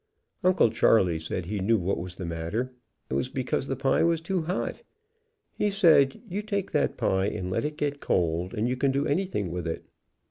Uncle Charley said he knew what was the matter; it was because the pie was too hot. He said you take that pie and let it get cold, and you can do anything with it.